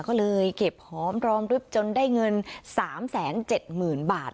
ก็เลยเก็บพร้อมรอมรึบจนได้เงินสามแสนเจ็ดหมื่นบาท